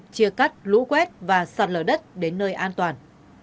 chia cắt lũ quét và sạt lở đất đến nơi an toàn